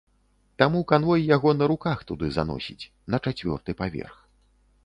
Таму канвой яго на руках туды заносіць, на чацвёрты паверх.